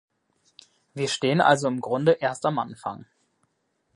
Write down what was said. Wir stehen also im Grunde erst am Anfang.